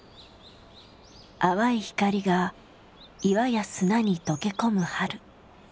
淡い光が岩や砂に溶け込む春。